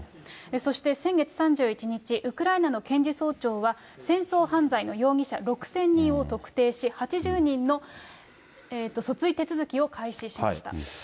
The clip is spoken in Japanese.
そして先月３１日、ウクライナの検事総長は戦争犯罪の容疑者６０００人を特定し、８０人の訴追手続きを開始しました。